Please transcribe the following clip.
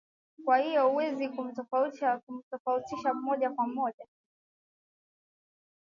kwa hiyo huwezi kumtofautisha moja kwa moja